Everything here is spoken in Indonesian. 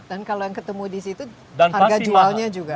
dan kalau yang ketemu di situ harga jualnya juga